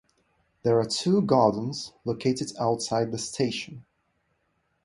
There are two gardens located outside the station.